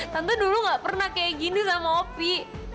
tante dulu gak pernah kayak gini sama opi